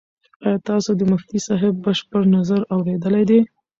ایا تاسو د مفتي صاحب بشپړ نظر اورېدلی دی؟